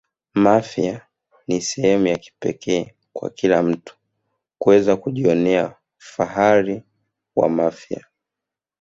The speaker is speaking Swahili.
mafia ni sehemu ya kipekee kwa kila mtu kuweza kujionea fahari wa mafia